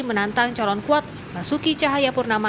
menantang calon kuat basuki cahayapurnama